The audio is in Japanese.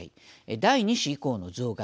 第２子以降の増額。